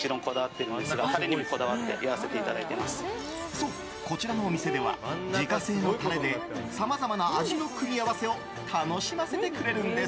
そう、こちらのお店では自家製のタレでさまざまな味の組み合わせを楽しませてくれるんです。